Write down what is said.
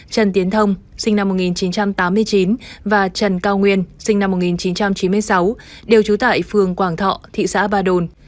trần tiến thông sinh năm một nghìn chín trăm tám mươi chín và trần cao nguyên sinh năm một nghìn chín trăm chín mươi sáu đều trú tại phường quảng thọ thị xã ba đồn